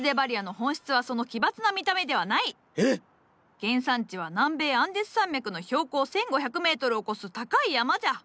原産地は南米アンデス山脈の標高１，５００メートルを超す高い山じゃ。